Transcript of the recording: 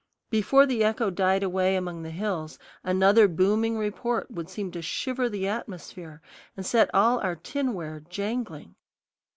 Before the echo died away among the hills another booming report would seem to shiver the atmosphere and set all our tinware jangling.